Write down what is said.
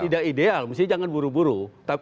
tidak ideal mesti jangan buru buru tapi